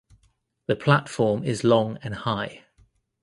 The platform is long and high.